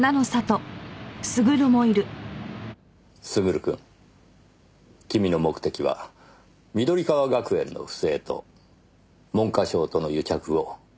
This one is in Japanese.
優くん君の目的は緑川学園の不正と文科省との癒着を暴く事でした。